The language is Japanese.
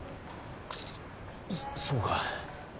そそうか。